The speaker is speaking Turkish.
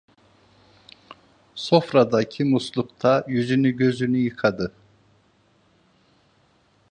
Sofradaki muslukta yüzünü, gözünü yıkadı.